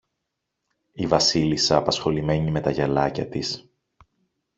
Η Βασίλισσα, απασχολημένη με τα γυαλάκια της